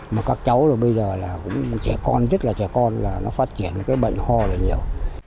mà các cháu rồi bây giờ là cũng trẻ con rất là trẻ con là nó phát triển cái bệnh ho là nhiều